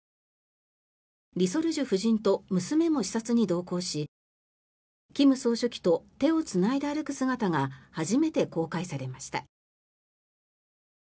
李雪主夫人と娘も視察に同行し金総書記と手をつないで歩く姿が初めて公開されました。